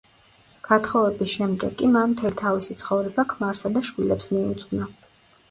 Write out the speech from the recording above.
გათხოვების შემდეგ კი მან მთელი თავისი ცხოვრება ქმარსა და შვილებს მიუძღვნა.